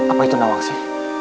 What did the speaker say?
apa itu nah wangsi